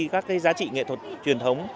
các giá trị nghệ thuật truyền thống